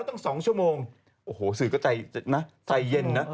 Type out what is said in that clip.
ตั้ง๒ชั่วโมงโอ้โหสื่อก็ใจนะใจเย็นนะ